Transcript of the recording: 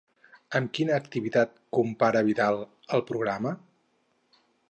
Amb quina activitat compara Vidal el programa?